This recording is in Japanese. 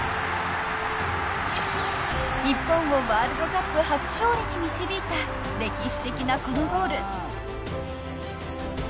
［日本をワールドカップ初勝利に導いた歴史的なこのゴール］